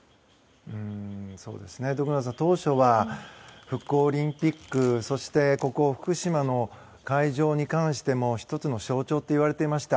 徳永さん、当初は復興オリンピックそして、ここ福島の会場に関しても１つの象徴と言われていました。